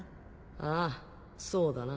ああそうだな。